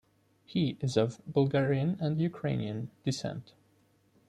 He is of Bulgarian and Ukrainian descent.